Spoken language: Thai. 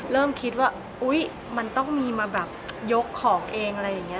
เริ่มคิดว่าอุ๊ยมันต้องมีมาแบบยกของเองอะไรอย่างนี้